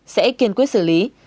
sẽ kiên quyết xử lý